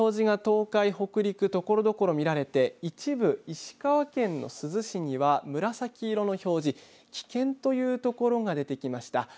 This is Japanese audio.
赤色の表示が東海北陸ところどころ見られて一部、石川県の珠洲市には紫色の表示危険という所が出てきました。